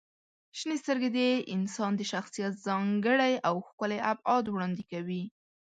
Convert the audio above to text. • شنې سترګې د انسان د شخصیت ځانګړی او ښکلی ابعاد وړاندې کوي.